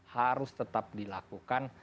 harus tetap dilakukan